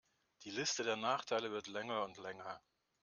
Die Liste der Nachteile wird länger und länger.